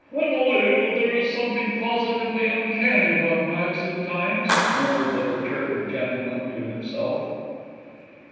"I believe that there is something positively uncanny about Max at times," murmured the perturbed gentleman to himself.